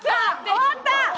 終わった！」